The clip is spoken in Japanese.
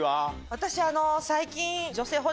私最近。